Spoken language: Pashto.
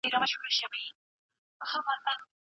استاد د څيړني اهمیت بیانوي.